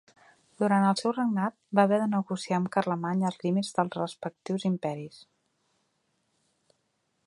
Durant el seu regnat va haver de negociar amb Carlemany els límits dels respectius imperis.